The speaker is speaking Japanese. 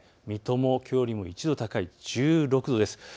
水戸もきょうより１度高い１６度です。